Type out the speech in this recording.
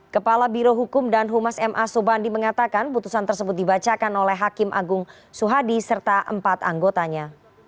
kepala birohukum dan humas ma sobandi mengatakan putusan tersebut dibacakan oleh hakim agung suhadi serta empat anggotanya